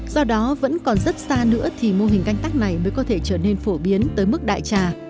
do đó vẫn còn rất xa nữa thì mô hình canh tác này mới có thể trở nên phổ biến tới mức đại trà